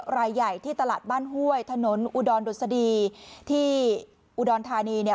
ลายใหญ่ที่ตลาดบ้านห้วยถนนอุดรดศดีที่อุดรธานี